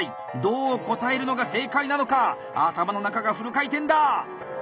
どう答えるのが正解なのか頭の中がフル回転だ！